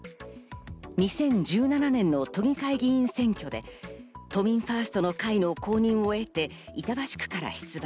２０１７年の都議会議員選挙で都民ファーストの会の公認を得て板橋区から出馬。